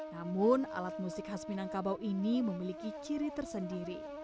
namun alat musik khas minangkabau ini memiliki ciri tersendiri